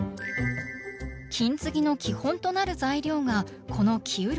金継ぎの基本となる材料がこの生漆。